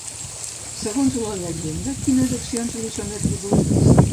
Segons la llegenda, quines accions li són atribuïdes?